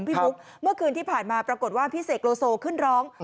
บุ๊คเมื่อคืนที่ผ่านมาปรากฏว่าพี่เสกโลโซขึ้นร้อง